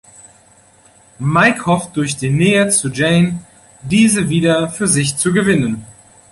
Mike hofft durch die Nähe zu Jane diese wieder für sich zu gewinnen.